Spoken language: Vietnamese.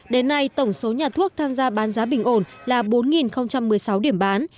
đến nay tổng số nhà thuốc tham gia bán giá bình ổn là bốn một mươi sáu điểm bán